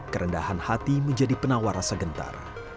kerendahan hati menjadi penawar rasa gentar